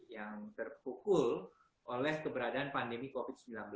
yang terpukul oleh keberadaan pandemi covid sembilan belas